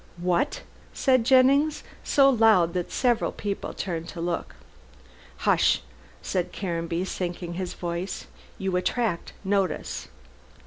"What?" said Jennings, so loud that several people turned to look. "Hush!" said Caranby, sinking his voice, "you attract notice.